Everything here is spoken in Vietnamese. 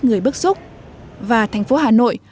người bức xúc và thành phố hà nội